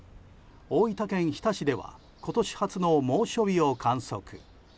大分県日田市では今年初の猛暑日を観測。